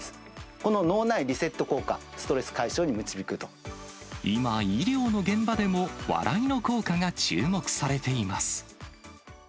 この脳内リセット効果、今、医療の現場でも笑いの効果が注目されています。